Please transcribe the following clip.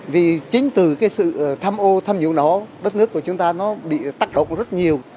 vì chính từ cái sự tham ô tham nhũng đó đất nước của chúng ta nó bị tác động rất nhiều